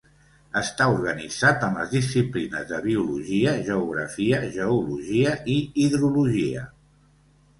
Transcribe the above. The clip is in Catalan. Està organitzat en les disciplines de biologia, geografia, geologia, i hidrologia.